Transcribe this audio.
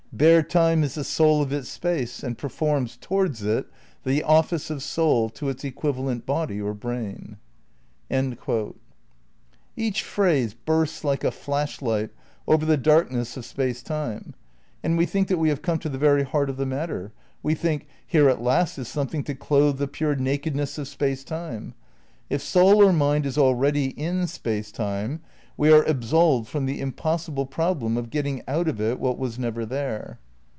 *"... bare Time is the soul of its Space and performs towards it the office of soul to its equivalent body or brain." ° Each phrase bursts like a flash light over the dark ness of Space Time, and we think that we have come to the very heart of the matter. We think: Here at last is something to clothe the pure nakedness of Space Time. If soul or mind is already in Space Time we are absolved from the impossible problem of get ting out of it what was never there.